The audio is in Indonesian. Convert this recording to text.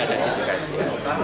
tidak ada dikaitkan